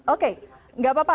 oke enggak apa apa